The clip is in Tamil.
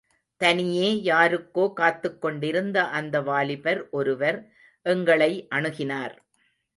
தனியே, யாருக்கோ காத்துக் கொண்டிருந்த அந்த வாலிபர் ஒருவர் எங்களை அணுகினார்.